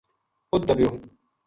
اُت دبیو